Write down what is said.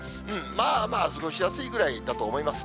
まあまあ過ごしやすいぐらいだと思います。